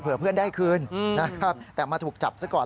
เผื่อเพื่อนได้คืนแต่มาถูกจับซะก่อน